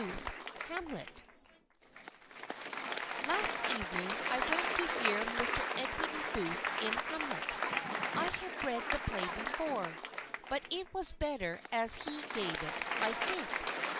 Oct. 27, 1886. Last evening I went to hear Mr. Edwin Booth in "Hamlet." I had read the play before, but it was better as he gave it, I think.